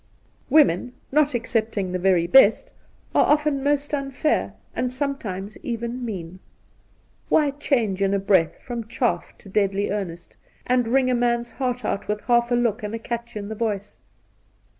Women, not excepting the very best, are often most unfair, and sometimes even mean. Why change in a breath from chaff to deadly earnest, and wring a man's heart out with half a look and a catch in the voice